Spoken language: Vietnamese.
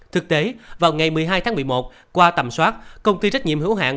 thực tế vào ngày một mươi hai tháng một mươi một qua tầm soát công ty trách nhiệm hữu hạn